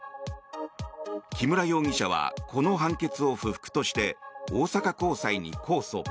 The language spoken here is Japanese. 木村容疑者はこの判決を不服として大阪高裁に控訴。